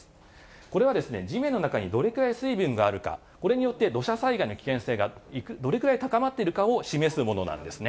これは、地面の中にどれくらい水分があるか、これによって土砂災害の危険性がどれくらい高まっているかを示すものなんですね。